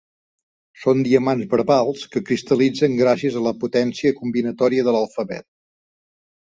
Són diamants verbals que cristal·litzen gràcies a la potència combinatòria de l'alfabet.